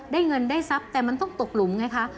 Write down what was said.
ได้เงินได้ทรัพย์แต่มันต้องตกหลุมไงคะ